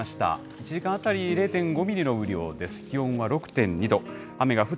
１時間当たり０．５ミリの雨量です。